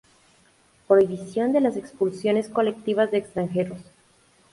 Prohibición de las expulsiones colectivas de extranjeros".